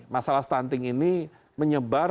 masalah stunting ini menyebar